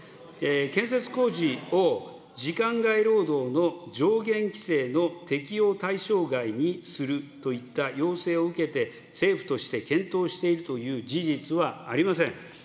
建設工事を時間外労働の上限規制の適用対象外にするといった要請を受けて、政府として検討しているという事実はありません。